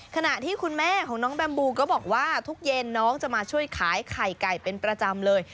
ขณะที่คุณแม่ของน้องแบมบูก็บอกว่าทุกเย็นน้องจะมาช่วยขายไข่ไก่เป็นประจำเลย